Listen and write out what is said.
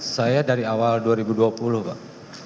saya dari awal dua ribu dua puluh pak